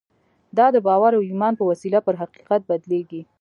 دا د باور او ایمان په وسیله پر حقیقت بدلېږي